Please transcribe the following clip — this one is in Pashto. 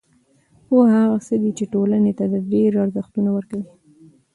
پوهه هغه څه ده چې ټولنې ته د ډېری ارزښتونه ورکوي.